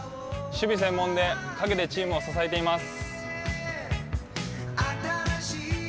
守備専門で、陰でチームを支えています。